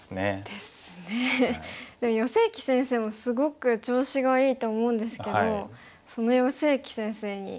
でも余正麒先生もすごく調子がいいと思うんですけどその余正麒先生に。